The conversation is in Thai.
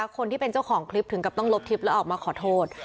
คนที่เป็นเจ้าของคลิปถึงกับต้องลบคลิปแล้วออกมาขอโทษ